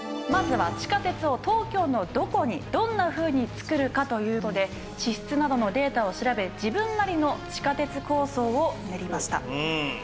まずは地下鉄を東京のどこにどんなふうにつくるかという事で地質などのデータを調べ自分なりの地下鉄構想を練りました。